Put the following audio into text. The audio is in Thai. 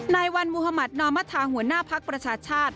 นายวันมุธมัธนอมธาหัวหน้าภักดิ์ประชาชาติ